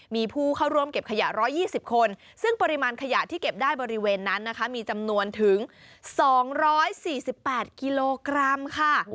มีผู้เข้าร่วมเก็บขยะ๑๒๐คนซึ่งปริมาณขยะที่เก็บได้บริเวณนั้นนะคะมีจำนวนถึง๒๔๘กิโลกรัมค่ะ